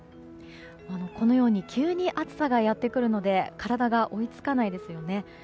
このように急に暑さがやってくるので体が追いつかないですよね。